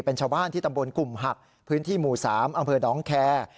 เป็นชาวบ้านที่ตำบลกลุ่มหักพื้นที่หมู่๓อำเภอน้องแคร์